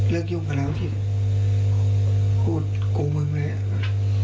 เลิกยุ่งกับเราน้องชิดพูดกูมึงเลยอะค่ะ